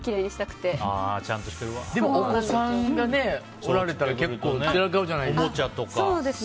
でも、お子さんがおられたら結構散らかるじゃないですか。